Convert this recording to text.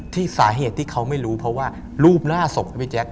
สาเหตุที่เขาไม่รู้เพราะว่ารูปหน้าศพนะพี่แจ๊ค